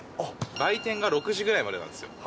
売店が６時ぐらいまでなんですよ。